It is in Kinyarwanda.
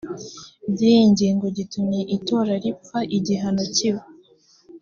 by iyi ngingo gitumye itora ripfa igihano kiba